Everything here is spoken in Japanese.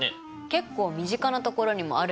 結構身近なところにもあるみたいですよ。